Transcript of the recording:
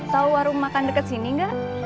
tau warung makan deket sini nggak